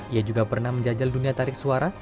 ia juga pernah menjajal dunia tarik suara